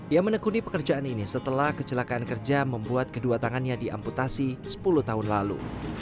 ia menekuni pekerjaan ini setelah kecelakaan kerja membuat kedua tangannya diamputasi sepuluh tahun lalu